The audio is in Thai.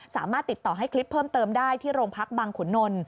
สามารถติดต่อให้คลิปเพิ่มเติมได้ที่โรงพักบังขุนนล